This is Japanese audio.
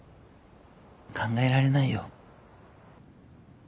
考えられないよ。